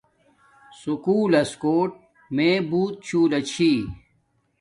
سکول لس کوٹ میے بوت شُولہ چھی